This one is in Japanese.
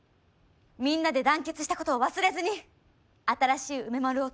みんなで団結したことを忘れずに新しい梅丸を作ってほしい。